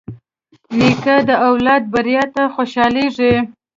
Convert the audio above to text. نیکه د اولاد بریا ته خوشحالېږي.